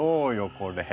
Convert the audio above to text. これ。